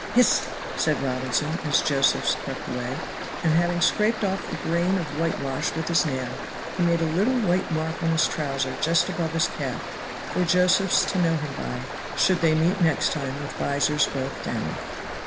"Hist!" said Robinson as Josephs crept away; and having scraped off a grain of whitewash with his nail he made a little white mark on his trouser just above his calf, for Josephs to know him by, should they meet next time with visors both down.